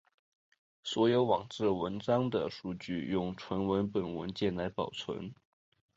所有网志文章的数据用纯文本文件来保存。